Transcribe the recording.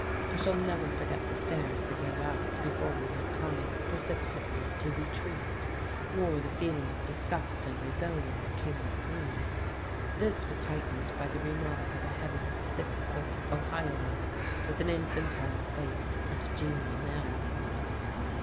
I shall never forget the stares they gave us before we had time precipitately to retreat, nor the feeling of disgust and rebellion that came over me. This was heightened by the remark of a heavy, six foot Ohioan with an infantile face and a genial manner.